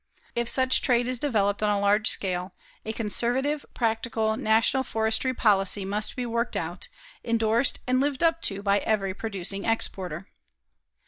If such trade is developed on a large scale, a conservative, practical national forestry policy must be worked out, endorsed and lived up to by every producing exporter.